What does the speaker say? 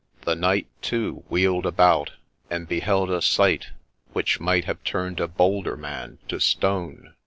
The knight, too, wheeled about, and beheld a sight which might have turned a bolder man to stone.